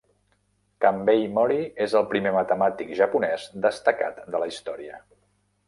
Kambei Mori és el primer matemàtic japonès destacat de la història.